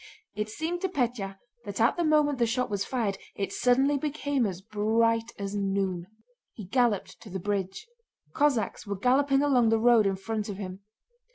It seemed to Pétya that at the moment the shot was fired it suddenly became as bright as noon. He galloped to the bridge. Cossacks were galloping along the road in front of him.